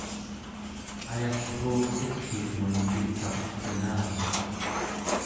ayallruuq iqlutmun pitsaqevkenani